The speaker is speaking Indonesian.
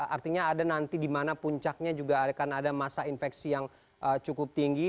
artinya ada nanti di mana puncaknya juga akan ada masa infeksi yang cukup tinggi